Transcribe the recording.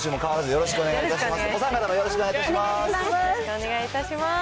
よろしくお願いします。